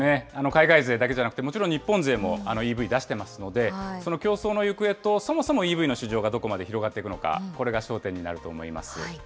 海外勢だけじゃなくて、もちろん日本勢もＥＶ出してますので、その競争の行方と、そもそもＥＶの市場がどこまで広がっていくのか、これが焦点になると思います。